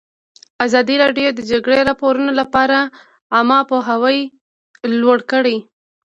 ازادي راډیو د د جګړې راپورونه لپاره عامه پوهاوي لوړ کړی.